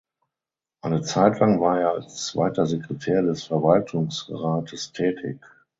Eine Zeit lang war er als zweiter Sekretär des Verwaltungsrates tätig.